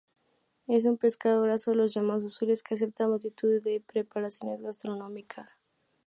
Es un pescado graso de los llamados "azules" que acepta multitud de preparaciones gastronómicas.